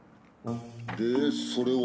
でそれは？